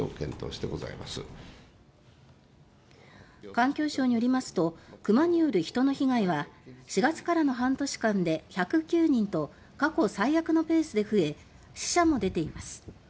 環境省によりますとクマによる人の被害は４月からの半年間で１０９人と過去最悪のペースで増え死者も出ています。